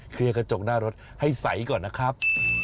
เคลียร์กระจกหน้ารถให้ใสก่อนนะครับ